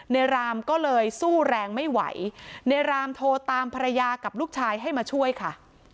รามก็เลยสู้แรงไม่ไหวในรามโทรตามภรรยากับลูกชายให้มาช่วยค่ะ